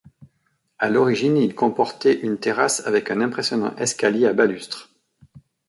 À l'origine il comportait une terrasse avec un impressionnant escalier à balustres.